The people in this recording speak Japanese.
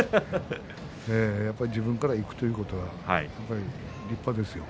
やっぱり自分からいくということは立派ですよ。